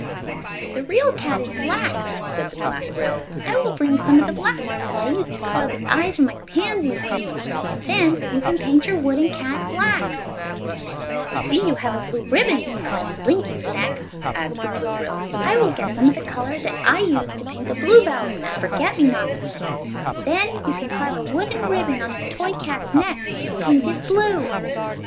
"The real cat is black," said the Black Ryl; "I will bring some of the black that I use to color the eyes of my pansies with, and then you can paint your wooden cat black." "I see you have a blue ribbon around Blinkie's neck," added the Blue Ryl. "I will get some of the color that I use to paint the bluebells and forget me nots with, and then you can carve a wooden ribbon on the toy cat's neck and paint it blue."